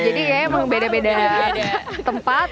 jadi kayaknya beda beda tempat